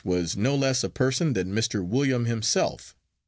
was no less a person than "Mr. William Himself."